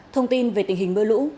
thông tin về tình hình mưa lũ